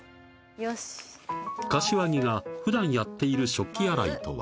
よし柏木がふだんやっている食器洗いとは？